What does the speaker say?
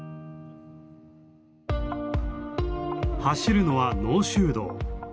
走るのは濃州道。